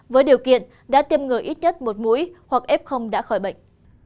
với điều kiện đã tiêm ngừa ít nhất một mũi hoặc ép không đã khỏi bệnh